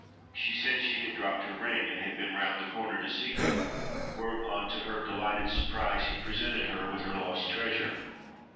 She said she had dropped her ring, and had been round the corner to seek it; whereupon, to her delighted surprise, he presented her with her lost treasure.